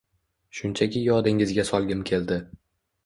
Shunchaki yodingizga solgim keldi